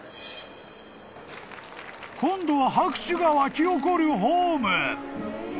［今度は拍手が湧き起こるホーム］